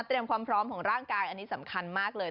ความพร้อมของร่างกายอันนี้สำคัญมากเลย